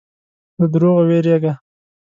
له دروغو وېرېږه.